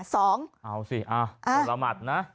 สองเอาสิอ่าประมาทนะ